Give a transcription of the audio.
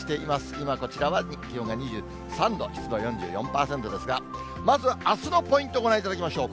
今、こちらは気温が２３度、湿度４４％ですが、まずはあすのポイント、ご覧いただきましょう。